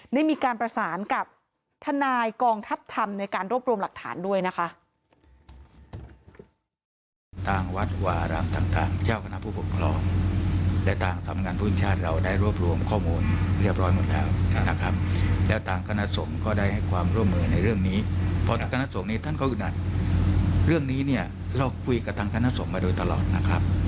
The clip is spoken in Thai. ได้มีการประสานกับทนายกองทัพธรรมในการรวบรวมหลักฐานด้วยนะคะ